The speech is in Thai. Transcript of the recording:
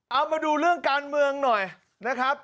เอามาดูเรื่องการเมืองหน่อยนะครับ